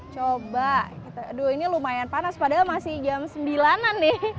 coba aduh ini lumayan panas padahal masih jam sembilan an nih